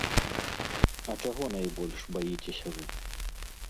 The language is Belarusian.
А чаго найбольш баіцеся вы?